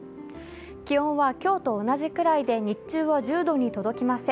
気温は今日と同じくらいで、日中は１０度に届きません。